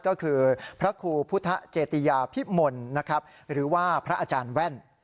ก็คือพระครูพุทธเจติยาพิมลนะครับหรือว่าพระอาจารย์แว่น